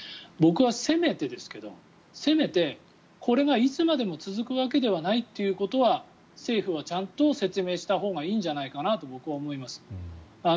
僕はせめてですけどせめて、これがいつまでも続くわけではないということは政府はちゃんと説明したほうがいいんじゃないかなと僕は思います。